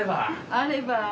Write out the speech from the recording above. あれば。